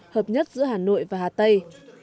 hợp nhất giữa hà nội và hà tây